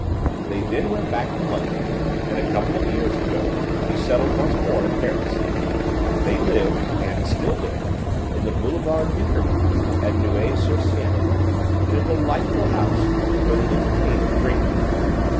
They then went back to London, and a couple of years ago they settled once more in Paris. They lived, and still live, in the boulevard Inkermann at Neuilly sur Seine, in a delightful house where they entertain a great deal.